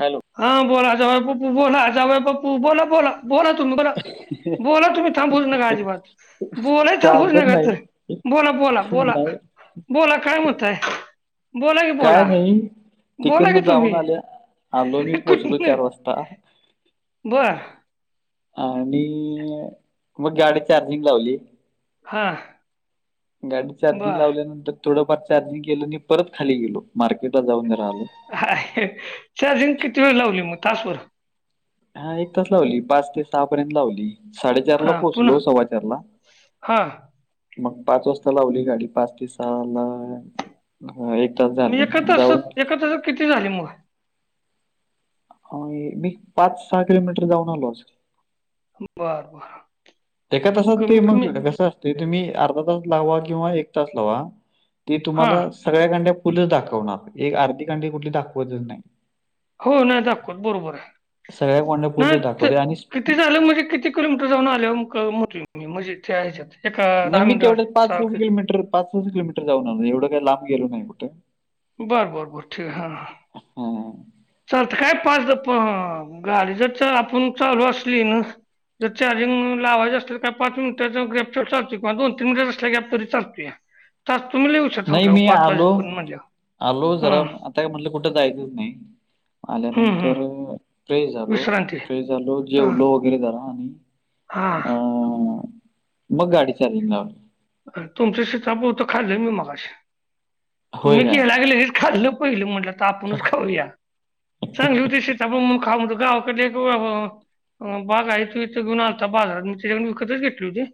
Hello. हा बोला जवय पप्पू बोला जवय पप्पू बोला, बोला, बोला, तुम्ही बोला. बोला तुम्ही थांबूच नका अजिबात बोला थांबूच थांबत नका तर नाही बोला, बोला, बोला. नाही बोला काय म्हणताय,,? बोला की काय बोला नाही बोला की तिकडन जाऊन तुम्ही आल्या आलो मी पोहोचलो कुठनं चार वाजता. बर. आणि मग गाडी चार्जिंग लावली. हा गाडी चार्जिंग बर लावल्यानंतर थोडंफार चार्जिंग केलं आणि परत खाली गेलो मार्केट ला जाऊन राहिलो. हा चार्जिंग किती? वेळ लावली मग तासभर. हा एक तास लावली पाच ते सहा पर्यंत लावली. साडेचार ला हा पुन्हा पोहोचलो सव्वा चार ला. हा मग पाच वाजता लावली गाडी पाच ते सहा ला. हा एक तास मी झाले एका जाऊन तासात एका तासात किती? झाली मग. मी पाच सहा किलोमीटर जाऊन आलोच आज. बर बर. त्या तस ते कमीत मग कमी कसं असते तुम्ही अर्धा तास लावा किंवा एक तास लावा. ते हा तुम्हाला सगळ्या कांड्या फुलच दाखवणार एक आर्थिक कांडी कुठली दाखवतच नाही. हो ना दाखवत बरोबर आहे सगळ्या कांड्या ना फुलच दाखवते आणि किती,? स्पी- झालं म्हणजे किती? किलोमीटर जाऊन आल्या म्हट मी म्हणजे ते आहेच्यात. नाही मी तेवढ्या पाच पा किलोमीटर पाच, पाच किलोमीटर जाऊन आ एवढं काही लांब गेलो नाही कुठे. बरं बरं बरं ठीक हा. हम. चालत काय पाचदा प गाडी जर आपण चालू असली ना. जर चार्जिंग लावायच असल काय पाच मिनटचा ग्रॅपच ल किवा दोन तनट असल्या गॅप तरी चालत आहे. नाही मी आलो वाजेपर्यंत म्हणल्यावर आलो जरा हां आता काय म्हणलं कुठं जायचच नाही. हं हं आल्यानंतर फ्रेश झालो विश्रांती फ्रेश झालो जेवलो वगैरे जरा आणि. हा. अं, मग गाडी चार्जिंग ला लावली. अर तुमच शिताफळ हुतं खाल्लंय मी मगशी. होय तुम्ही काय गेला की लगेच खाल्लं पहिलं म्हटलं तर आपणच खाऊया. चांगंली होती ते सिताफळ मून खाऊमत गावकले ग बाग आहे तू इथं घेऊन आलता बाजारात मी त्याच्याकडे विकतच घेतली होती.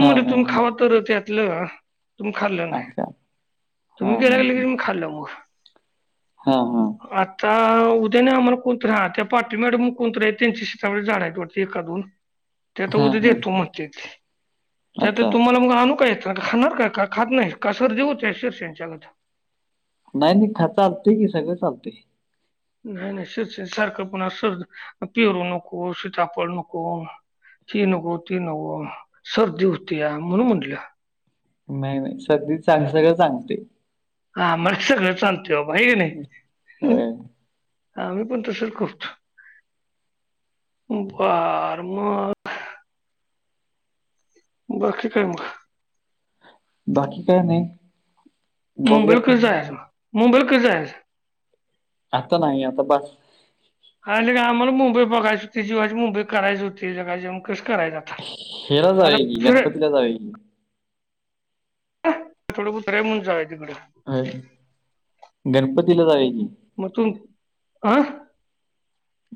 हा मरे हा तुम्ही हा खावा तरच यातलं तुम्ही खाल्लं नाही. अच्छा. तुम्ही ग हां, केला गेले हां, क मी खाल्ल मग. हां हां. आता उद्या नाही आम्हाला कोणत हा त्या पाटील मॅडम मग कोणतरी आहे त्यांची शिताफळची झाडं वाटते एका दोन. ह ते तर उद्या देतो मनते त्या तर अच्छा. तुम्हाला मग आणू का? येत खाणार काय का खात नाही, का सर्दी हुत्या शेरस यांच्या गत नाही नाही खात चालतय की सगळं चालतय. नाही नाही असच सारखं पण, असच पेरू नको सीताफळ नको. ही नको ती नको सर्दी हुत्या, म्हणून म्हणलं. नाही नाही सगध चांग सगळं चांगतय. हा मग सगळं चालतय बाबा, हाय का नाही. होय. आम्ही पण तसच करतो, बार मग बाकी काय मग? बाकी काय नाही. बघूया मुंबईला आता. कधी जायाचा, मुंबई ला कधी जायाचा? आता नाही, आता बास. आणि लगा आम्हाला मुंबई बघायची हुती, जीवाची मुंबई करायची हुतीे कसं करायंं हेला जावूया की, गणपतीला जावया की. थोडं बहुत रमून जाव तिकडं हम, गणपतीला जावया की. म तु, आं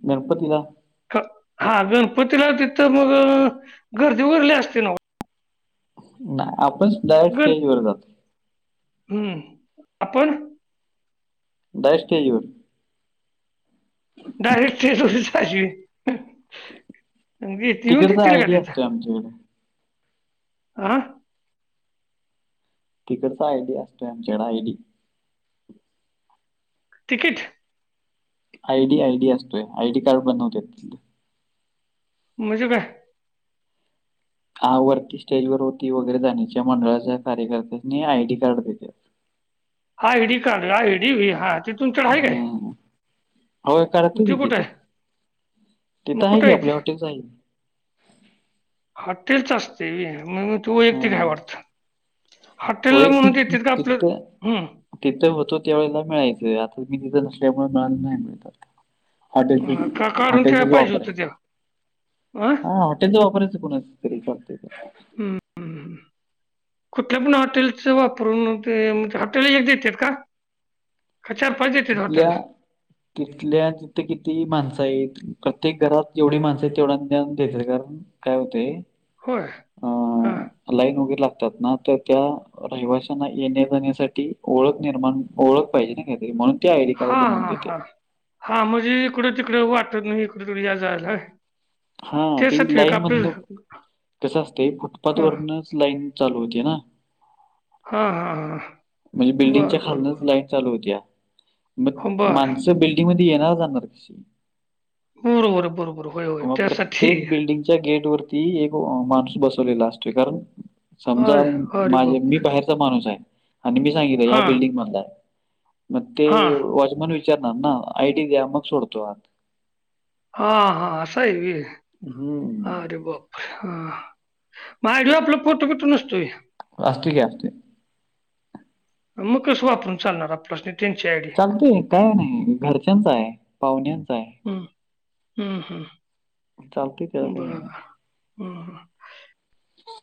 गणपतीला. हा गणपतीला तिथं मग, गर्दी भरली असते नवं नाय, आपण डायरेक स्टेज वर जातो हम्म आपण डायरेक्ट स्टेजवर. डायरेक्ट स्टेजवर कशी जाशील,, येऊन देतील का तिथ आमचं आं तिकडचा आयडी असतोय आमच्याकडं ID. Ticket. I D ID असतोय, आयडी कार्ड बनवत्यात. म्हजे काय? हा, वरती स्टेजवर होती वगैरे जाण्याच्या मंडळाच्या कार्यकर्त्यांनी आय डी कार्ड देत्यात. I D card I ID वय हा, ते तुमच्या कडं हाय काय? हम्म. होय मग करते ते त कुठं तिथं, आहे तिथं हाय की आपल्या हॉटेलच हाय की. हाटेलचं असतय वय, म्हणून तू एकटी घाय हम्म. वाटतं. हॉटेल ला म्हणून वैयक्तिक देत्यात का आपलं, तिथं हम्म तिथं होतो त्या वेळेला मिळायचंय, आता मी तिथं नसल्यामुळे मिळायला नाही नवंका आता. हॉटेलची, का काढून ठेवायला हॉटेलचच पाहिजे होतं वापरायचं, ते हा हां. त्यांच वापरायचं कोणाच तरी चालतय हम्म हम्म. कुठल्या पण हॉटेलच वापरून ते हॉटेल एक देतात का? का चार पाच देतात तिथल्या हॉटेलला तिथल्या तिथं किती माणसं आहेत, प्रत्येक घरात जेवढी माणसं आहेत तेवढ्यांना देत्यात गा काय हुतय होय हा. लाईन वगैरे लागतात ना, तर त्या रहिवाशांना येण्या जाण्यासाठी ओळख निर्माण, ओळख पाहिजे ना काहीतरी, म्हणून ते आयडी कार्ड हा बनवून हा देते हा हा, म्हणजे इकडं तिकडं वाटतनं इकड तिकडं या जायल वय हा ती लाईन मधन कसं असतं फुटपाथ हां वरनच लाईन चालू होती ना हा हा हा म्हणजे बिल्डिंगच्या खालनच लाईट चालू होती या म हो, बरं. माणसं बिल ती मध्ये येणार जाणार कशी बरोबर, बरोबर. होय, होय. हा त्यासाठी. प्रत्येक बिल्डिंगच्या गेट वर ती एक माणूस बसवलेला असतो कारण समजा अरे, अरे माझे बाप! मी बाहेर ती तो माणूस आहे मी सांगितलेल आहे ह्या हां, बिल्डिंग मधला आहे मग ते हां. वॉचमैन विचारत विचारणार ना आयटी द्या मग सोडतो आत हा हा असं आहे व्हय हम्म अरे बाप हा म आयडीवर आपला फोटो बिटो नसतोय असतं की असतं मग कसं वापरून चालणार आपला स्टेट त्यांचे आयडी चालतोय काय नाही घरच्यांचयं पाहुण्यांचा आहे हम हम चालते त्याला काही बरं नाही हम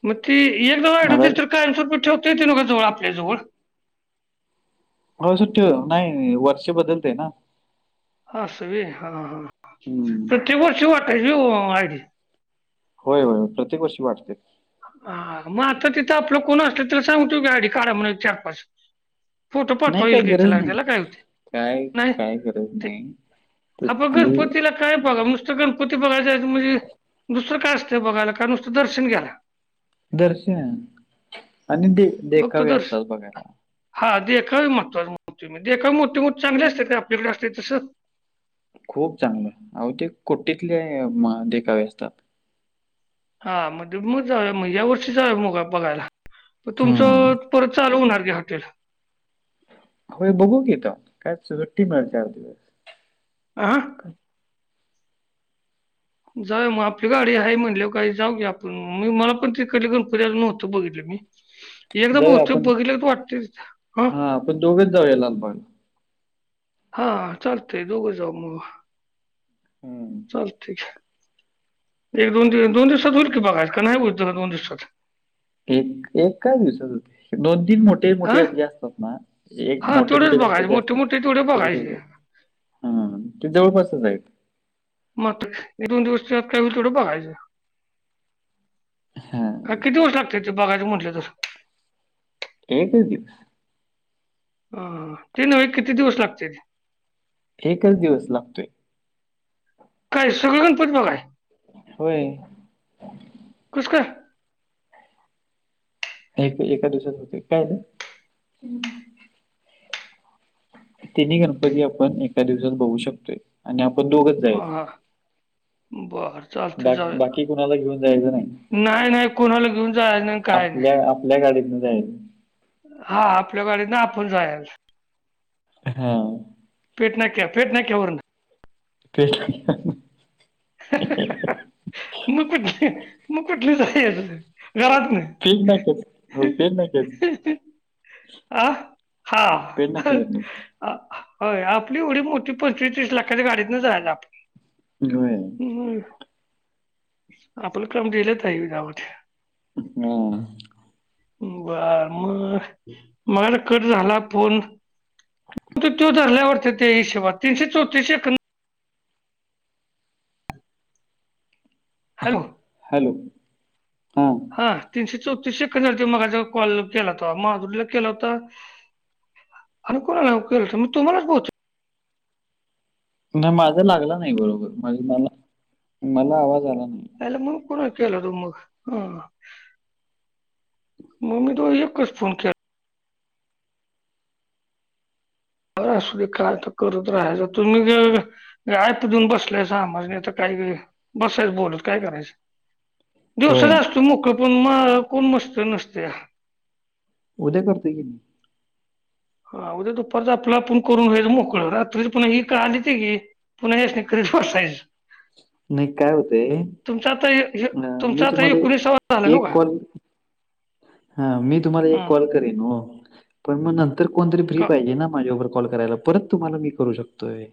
म ती एकदा आयडी आता दिली तर कायम सपोर्ट ठेवता ग जवळ आपल्या जवळ हो सुट्टीवंर हे नाही नाही वर्ष बद्दलतयं ना असं व्हयं हा हा हम्म. तर ते वर्ष वाटायचे ओ मायाकी होय होय प्रत्येक वर्षी वाटते आ हा मग आता तिथं आपलं कोण असलं त्याला सांगतोयं गाडी काढा म्हण चार पाच फोटो नाही पाठवा येईल काय की गरज त्याला, नाही त्याला काय काय होतयं नाही, काय गरज ते नाही हा प तिथली गणपतीला काय बघा नुसतं गणपती बघायांचत म्हणजे दुसरं काय असतं बघायला का नुसतं दर्शन घ्याला दर्शन आणि दे फक्त देखावे दर्श असतात बघायला हा देखावे महत्वाचं म्हणं तोय म्हणं देखावे मोठी मोठी चांगली असत्यात कां आपल्याकडे असते तसं खूप चांगलं आव ते कुट्टीतले म देखावे असतात हा म दिडुमच जाऊया मग या वर्षीचं जाव मोग बघायला प हम्म तुमचं परत चालु होणार नाही हॉटेल व्हयं बघू की काय सगळं टीमं चार दिवस आं जाऊया मग आपली गाडी हाय म्हणल्यावर कायं जाऊ की आपण मी मला पण तिकडली गणपती अजून नव्हतं बघितलं मी एकदा जाऊया बहुतेक आपण बघितलं तर वाटते हा आपण दोघेच जाऊया लालबागला हा चालतंय दोघं जाऊ मग हम्म चालतंय एक दोन दिव दोन दिवसात होईल की बघाय का नाही होत जरा दोन दिवसात एक एकां दिवसात होते दोन तीन मोठे हा मोठे जे असतात ना एक हा मोठे तेवढेच मोठे बघायचे गणपती असतात मोठे तेवढे बघायचे हा हा ते जवळपासच आहेत मातुर दोन दिवसात काही होईल तेवढं बघायचं हा काय किती दिवस लागत्यात ते बघायंचं म्हटल्या तसं एकच दिवस. हा, ते नव्हे किती दिवस लागत्यात? एकच दिवस लागतोय. काय सगळं गणपती बघाय होय. कसं कायं? एक एका दिवसात होतयं, काय ना तिन्ही गणपती आपण एका दिवसात बघू शकतोय, आणि आपण दोघच जायाच बरं चालतयं, बा जाउ या. बाकी कुणाला घेऊन जायचं नाही. नाय नाय, कोणाला घेऊन जायज नाय काय नाय. आपल्या आपल्या गाडीतंन जायंच. हा, आपल्या गाडीतनं आपण जायाच. हां. पेट नाक्या पेट नाक्यावरनं. पेट हा हा मग कुठनं, मग कुठनं जायाचं? घरातनं पेट नाक्यात हो ह पेट नाक्यात ह आ पेट हा नाक्यावरनं आ, होय आपली एवढी मोठी पंचवीस तीस लाखाच्या गाडीतनं जायाच आपण. घिऊया होय आपलं काम दिलं ताई राहुद्या. हां. बर मग, मग आता कट झाला फोन तो धरला वाटतं तो हिशेबात, तीनशे चौतीस शेकं हॅलो हॅलो हां हा. तीनशे चौतीस शेकंद झालतं मगाचचा कॉल केला तवा, माधुरीला केला होता आणि कोणाला के हो, तुम्हालाच बोलतोय नाही माझा लागला नाही बरोबर, मंजे मला मला आवाज आला नाही. आयला मग कुणाला केला हुता मग,, हां मग मी तो एकच फोन के बरं असु दे काय तर करत राहाच तुम्ही जर आयपजून बसल्याय आमासनी आता काय, बसायचं बोलत काय करायचं. दिवसात होय असतोय मोकळं पण मग कोण मस्त नसत्या. उद्या करतोय की मी. हा, उद्या दुपारच आपलं आपण करून हुयाच मोकळं, रात्रीच पुणा ही आलीते गी पुना ह्यासनी कसं सोसायचं नाही काय होतय, तुमचं आता हे- हे- मी तुमचं आता तुम्हाला एकोणीसावा झाला ना एक का कॉल हा, मी तुम्हाला हा एक कॉल करेन ओ पण मग नंतर कोणतरी फ्री का पाहिजे ना, माझ्याबर कॉल करायला, परत तुम्हाला मी करू शकतोय.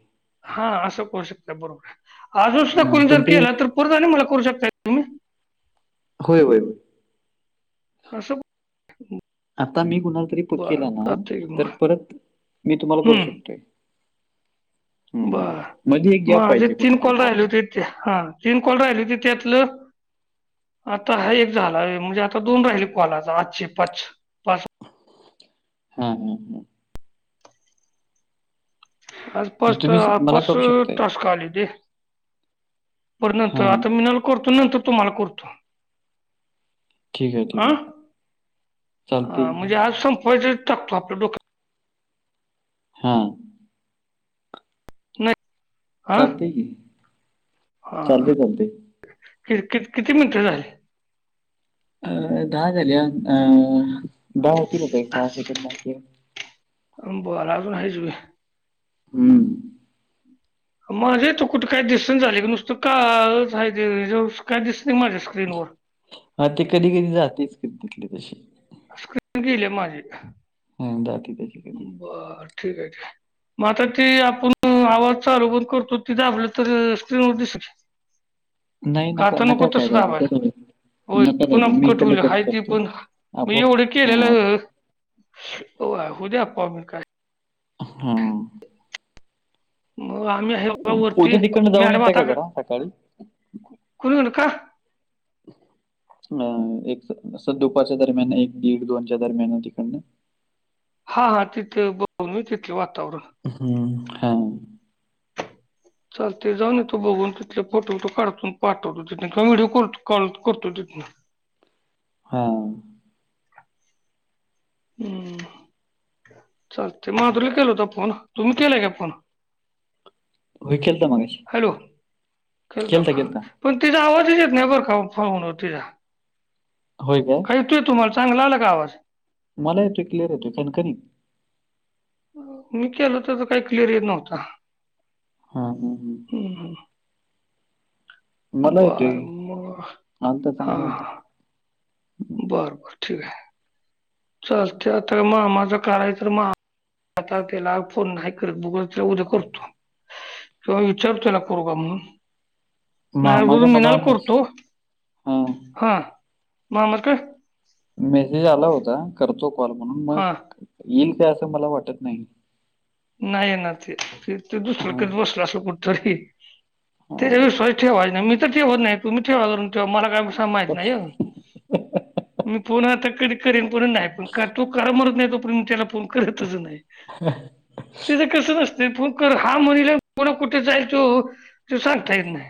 हा, असं करू शकता बरोबर आहे, अजून सुद्धा हां कोणी पण जर ते केलं, तर परत आणीमला करू शकता तुम्ही होय होय कसं आता मी कुणाला तरी प केला ना, जातोय की मग तर परत मी तुम्हाला करू शकतोय. हम्म. बरं, मध्ये एक गॅप माझे पाहिजे तीन कुठल्या तरी कॉल राहिले कॉलचा होते. ते हा तीन कॉल राहिले हो ते त्यातलं आता हा एक झालाय, म्हणजे आता दोन राहिले कॉल, आजचे पाच पाच हां, हां, ह. आज मग स्पष्ट, तुम्ही स- मला आज करू [unintelligible] शकताय टास्कआल्याती. पर नंतर, हां आता मिनाला करतो. नंतर तुम्हाला करतो. ठीक आहे ठीक अ,.. आहे चालते आ की मजी आज संपवायचे. तापतं आपलं डोकं. हां नाही, आं चालते की चालते हां. चालते कि किती मिनिटं झाली? अ दहा झाली. अ दहा होतील आता एक सहा सेकंद बाकी हय. बरं अजून हायेच व्हय? हम्म. माझ्या इथं कुठे काय दिसना झाले, की नुसतं काळच आहे, काय दिसत नाही माझ्या स्क्रीनवर. हा ते कधी कधी जातेच कधी तिथली तशी. स्क्रीन गेलीय माझी. हम्म, बाकी. [unintelligible] बर ठीक हे ठी. मग आता ती आपण आवाज चालू बंद करतो ती दाबलं तर स्क्रीनवर दिसल? नाही, नक नका काय दाबू दाबायला कट होइल. होय नकाू पुन्हा दाबू मी इकडंन होईल कट हाय ते करतो. पण आपोआप एवढं हं आपो केलेलं हौदय आप्पा मग काय. हम्म मग आम्ही हाय बगा वरती, उद्या तिकडनं जाऊन मॅडम येता आता.. का जरा सकाळी कुठं गेलं? का? [unintelligible] दुपारच्या दरम्यान एक दीड दोनच्या दरम्यान तिकडनं हा, हा तिथे बघून मी तिथले वातावरण. हम्म, हा चालतंय जाऊन येतो बघून, तिथले फोटो बीटो काढतो न पाठवतो तितन किंवा व्हिडिओ कॉल करतो तितन. हां [inaudible] चालतंय, माधुरीला केला होता फोन. तुम्ही केलाय का फोन? होय केलता मगाशी हॅलो, खेळता केलता का? केलता पण तिचा आवाजच येत नाही बरं का वो, पाव्हणं तिजा. होय काय? येतूय तुम्हाला? चांगला आला का आवाज? मला येतो क्लिअर येतोय पण कमी. मी केला त्याजा काही क्लिअर येत नव्हता. हां, हुं, हुं. हम्म. मला येतोय बर मग, आलता चांगला आलता हां बर बर ठीक हय. चालतंय आता, मामाचा काढायचा तर मा आता त्याला फोन नाही करत. बघू नाहीतर उद्या करतो. तुला विचारतो ना करू का म्हणून? नाही अगोदर मामाचा मला मीनाला मेस करतो. हा हां मामा कड मेसेज आला होता. करतो कॉल म्हणून, मग हा येईल काय असं मला वाटत नाही. नाही येणार ते, ते दुसरं हा करत बसलं असल कुठेतरी. हा त्याज्याव विश्वास ठेवायच नाही मी त ठेवत नाही, तुम्ही ठेवालं ठेवा माला काय सा माहीत नाहीय. [inaudible] मी फोन आता कधी करेन [unintelligible] नाही पण कर तो करा म्हणत नाही तो पर्यंत त्याला फोन करतच, करतच नाही. [inaudible] तेच कसंचं असतेय फोन कर हा म्हणील पुन्हा कुठे जायचो तो सांगता येत नाही.